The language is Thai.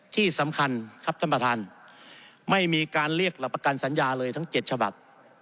ที่สำคัญครับท่านประธานไม่มีการเรียกรับประกันสัญญาเลยทั้ง๗ฉบับ